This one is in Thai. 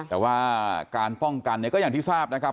แต่ว่าการป้องกันเนี่ยก็อย่างที่ทราบนะครับ